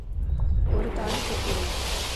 ஒரு தாலி கட்டி வை.